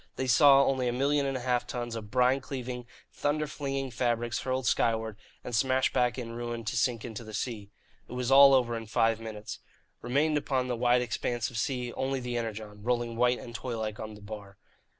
They saw only a million and a half tons of brine cleaving, thunder flinging fabrics hurled skyward and smashed back in ruin to sink into the sea. It was all over in five minutes. Remained upon the wide expanse of sea only the Energon, rolling white and toylike on the bar.